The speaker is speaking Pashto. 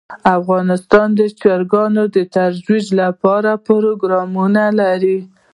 افغانستان د چرګان د ترویج لپاره پروګرامونه لري.